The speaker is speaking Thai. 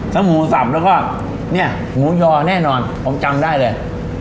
หมูสับแล้วก็เนี่ยหมูยอแน่นอนผมจำได้เลย